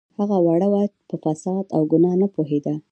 هغه وړه وه په فساد او ګناه نه پوهیده